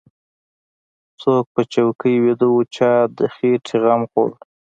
څوک په چوکۍ ويده و چا د خېټې غم خوړ.